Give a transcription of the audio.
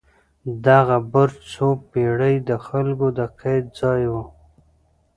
دغه برج څو پېړۍ د خلکو د قید ځای و.